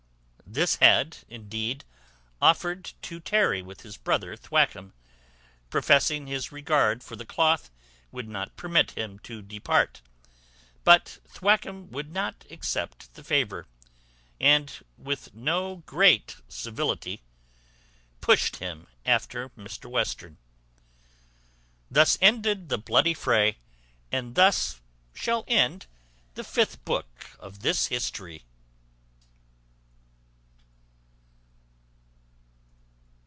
This had, indeed, offered to tarry with his brother Thwackum, professing his regard for the cloth would not permit him to depart; but Thwackum would not accept the favour, and, with no great civility, pushed him after Mr Western. Thus ended this bloody fray; and thus shall end the fifth book of this history.